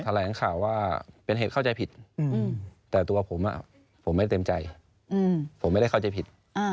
แถลงข่าวว่าเป็นเหตุเข้าใจผิดแต่ตัวผมผมไม่เต็มใจผมไม่ได้เข้าใจผิด